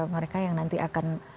mereka yang nanti akan